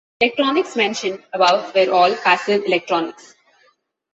Electronics mentioned above were all passive electronics.